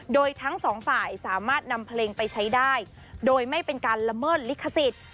โดยทั้งสองฝ่ายสามารถนำเพลงไปใช้ได้โดยไม่เป็นการละเมิดลิขสิทธิ์